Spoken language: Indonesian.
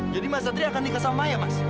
jadi mas satria akan nikah sama saya mas